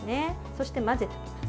そして混ぜていきます。